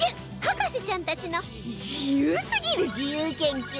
博士ちゃんたちの自由すぎる自由研究